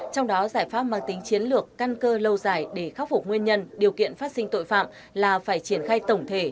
trong đó giải pháp mang tính chiến lược căn cơ lâu dài để khắc phục nguyên nhân điều kiện phát sinh tội phạm là phải triển khai tổng thể